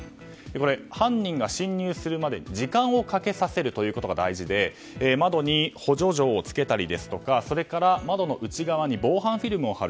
犯人が侵入するまで時間をかけさせることが大事で窓に補助錠をつけたり窓の内側に防犯フィルムを貼る。